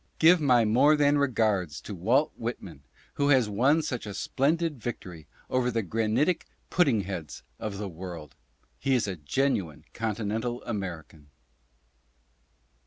Give my more than regards to Walt Whitman, who has won such a splendid victory over the " granitic pudding heads " of the world. He is a genuine Continental American.